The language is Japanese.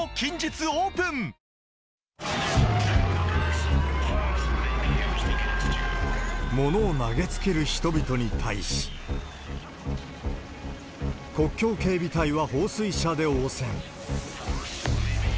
「信金中央金庫」物を投げつける人々に対し、国境警備隊は放水車で応戦。